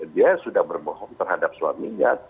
dia sudah berbohong terhadap suaminya